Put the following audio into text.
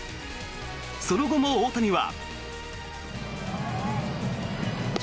その後も大谷は。